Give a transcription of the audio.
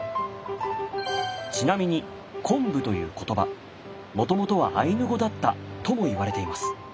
ちなみに昆布という言葉もともとはアイヌ語だったともいわれています。